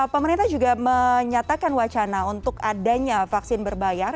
pemerintah juga menyatakan wacana untuk adanya vaksin berbayar